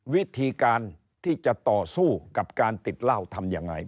วิธีการที่จะต่อสู้กับการติดเหล้าทำยังไง